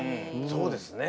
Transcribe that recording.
そうですね。